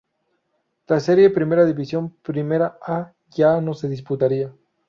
La serie Primera División-Primera A ya no se disputaría.